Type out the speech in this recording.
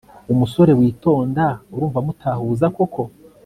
umusore witonda urumva mutahuza koko!?